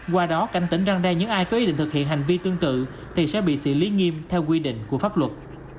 qua đó canh tỉnh răng đai những ai có ý định thực hiện hành vi tương tự thì sẽ bị sự lý nghiêm theo quy định của pháp luật